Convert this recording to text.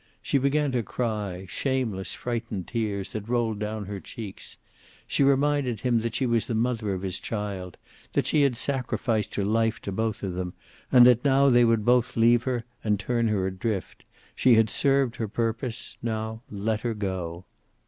She began to cry, shameless frightened tears that rolled down her cheeks. She reminded him that she was the mother of his child, that she had sacrificed her life to both of them, and that now they would both leave her and turn her adrift. She had served her purpose, now let her go.